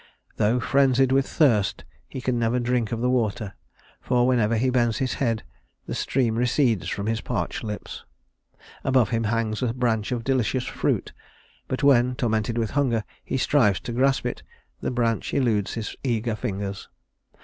Though frenzied with thirst he can never drink of the water, for whenever he bends his head the stream recedes from his parched lips. Above him hangs a branch of delicious fruit; but when, tormented with hunger, he strives to grasp it, the branch eludes his eager fingers.